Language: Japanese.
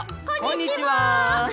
こんにちは。